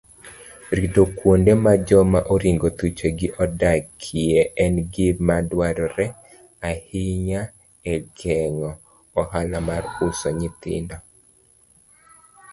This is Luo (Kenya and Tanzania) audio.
Ritokuondemajomaoringothuchegiodakieengimadwaroreahinyaegeng'oohalamarusonyithindo.